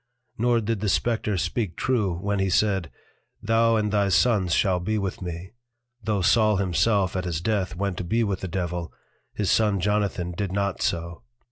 Nor did the Spectre speak true, when he said, Thou and thy Sons shall be with me: Tho' Saul himself at his Death went to be with the Devil, his Son Jonathan did not so.